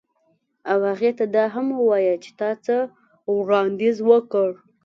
او هغې ته دا هم ووایه چې تا څه وړاندیز وکړ